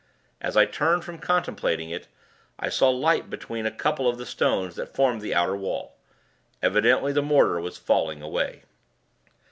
As I turned from contemplating it, I saw light between a couple of the stones that formed the outer wall. Evidently, the mortar was falling away....